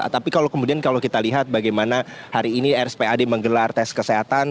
tapi kalau kemudian kalau kita lihat bagaimana hari ini rspad menggelar tes kesehatan